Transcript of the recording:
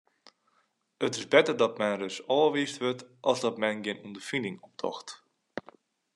It is better dat men ris ôfwiisd wurdt as dat men gjin ûnderfining opdocht.